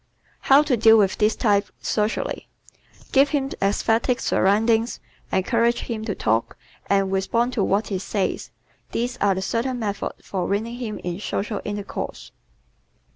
How to Deal with This Type Socially ¶ Give him esthetic surroundings, encourage him to talk, and respond to what he says. These are the certain methods for winning him in social intercourse.